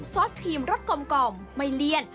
ซอสครีมรสกลมไม่เลี่ยน